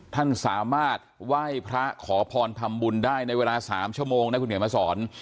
ท่านสามารถไหว้พระขอพรทำบุญได้ในเวลา๓ชั่วโมงนะคุณเขียนมาสอน